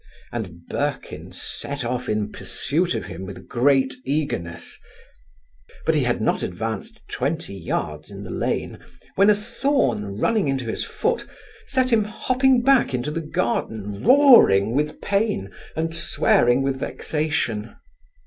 and Birkin set off in pursuit of him with great eagerness; but he had not advanced twenty yards in the lane, when a thorn running into his foot, sent him hopping back into the garden, roaring with pain, and swearing with vexation.